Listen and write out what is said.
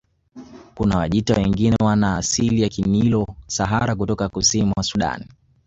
Kuna Wajita wengine wana asili ya Kinilo Sahara kutoka kusini mwa Sudan